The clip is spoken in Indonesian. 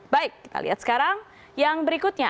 baik kita lihat sekarang yang berikutnya